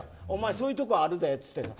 お前そういうとこあるでって。